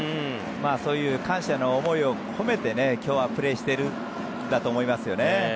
そういう感謝の思いを込めて今日はプレーしているんだと思いますよね。